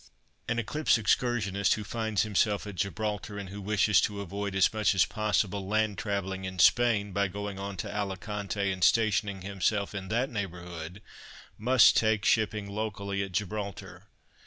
An Eclipse excursionist who finds himself at Gibraltar, and who wishes to avoid as much as possible land travelling in Spain by going on to Alicante and stationing himself in that neighbourhood, must take shipping locally at Gibraltar.